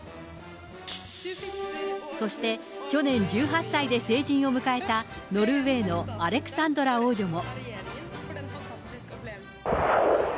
そして、去年、１８歳で成人を迎えたノルウェーのアレクサンドラ王女も。